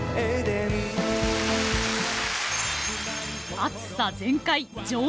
熱さ全開！